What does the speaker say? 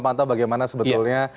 pantau bagaimana sebetulnya